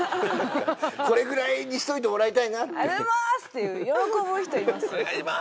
これぐらいにしといてもらいたいなって「ありがとうございます」って喜ぶ人いますよ